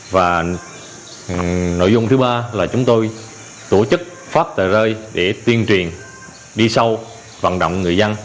và nội dung thứ ba là chúng tôi tổ chức phát tờ rơi để tuyên truyền đi sâu vận động người dân